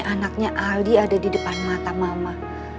anaknya ali ada di depan mata mama